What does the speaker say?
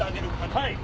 はい。